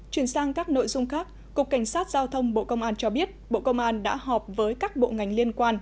chuyển sang các nội dung khác cục cảnh sát giao thông bộ công an cho biết bộ công an đã họp với các bộ ngành liên quan